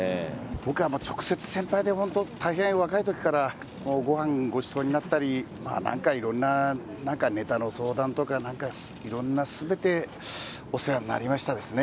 僕は直接先輩で、本当大変若いときからごはんをごちそうになったり、なんかいろいろな、なんかねたの相談とか、なんかいろんなすべてお世話になりましたですね。